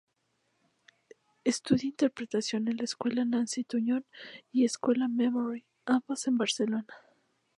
Estudia interpretación en la Escuela Nancy Tuñón, y Escuela Memory, ambas en Barcelona.